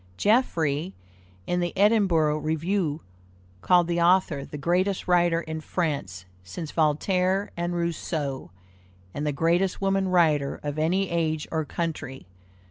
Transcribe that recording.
Jeffrey, in the Edinburgh Review, called the author the greatest writer in France since Voltaire and Rousseau, and the greatest woman writer of any age or country.